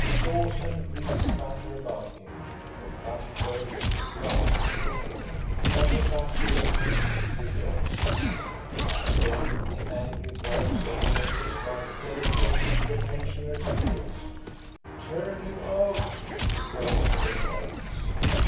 Sauce and grease spatter about him, the crushed birds rebound to the floor. And the bachelors' wing rejoices. 52 THE STORY OF GOSTA BERLING Then the angry voice of the major's wife pene trates to the pensioners' ears. " Turn him out !" she calls to the servants.